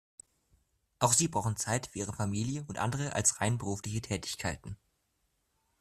Auch sie brauchen Zeit für ihre Familie und andere als rein berufliche Tätigkeiten.